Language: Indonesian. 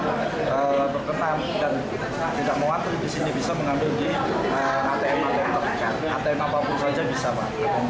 atm apapun saja bisa pak yang bersama